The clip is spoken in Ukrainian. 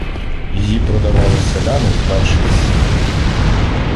Її продавали селяни з дальших сіл.